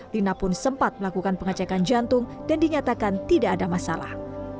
lina pun sempat melakukan pengecekan jantung dan dinyatakan tidak ada masalah